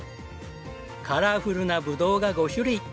カラフルなぶどうが５種類。